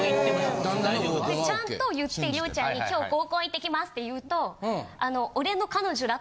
ちゃんと言って良ちゃんに「今日合コン行ってきます」って言うと。